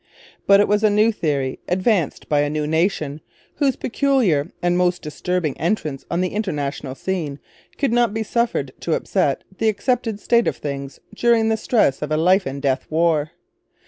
But it was a new theory, advanced by a new nation, whose peculiar and most disturbing entrance on the international scene could not be suffered to upset the accepted state of things during the stress of a life and death war.